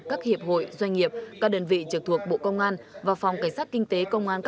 các hiệp hội doanh nghiệp các đơn vị trực thuộc bộ công an và phòng cảnh sát kinh tế công an